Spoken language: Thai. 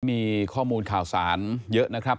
มีข้อมูลข่าวสารเยอะนะครับ